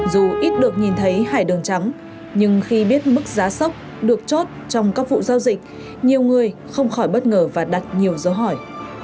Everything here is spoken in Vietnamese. dù ít được nhìn thấy hải đường trắng nhưng khi biết mức giá sốc được chốt trong các vụ giao dịch nhiều người không khỏi bất ngờ và đặt nhiều dấu hỏi